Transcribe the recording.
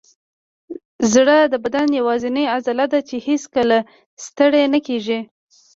زړه د بدن یوازینی عضله ده چې هیڅکله ستړې نه کېږي.